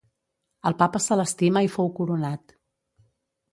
El Papa Celestí mai fou coronat.